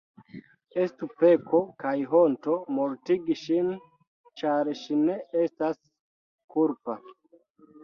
Estus peko kaj honto mortigi ŝin, ĉar ŝi ne estas kulpa.